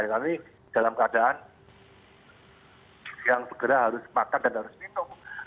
karena ini dalam keadaan yang segera harus makan dan harus minum